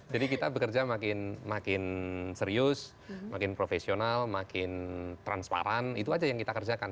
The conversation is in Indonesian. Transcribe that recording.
jadi kita bekerja makin serius makin profesional makin transparan itu aja yang kita kerjakan